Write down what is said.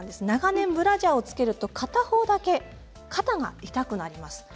長年ブラジャーを着けると片方だけ肩が痛くなります。